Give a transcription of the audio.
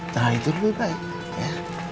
nah itu lebih baik ya